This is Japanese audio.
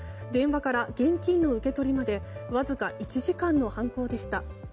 電話から現金の受け取りまでわずか１時間の犯行でした。